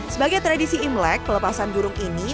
sebagai tradisi imlek pelepasan burung ini